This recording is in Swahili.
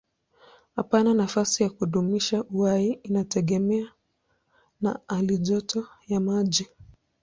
Hapa nafasi ya kudumisha uhai inategemea na halijoto ya maji.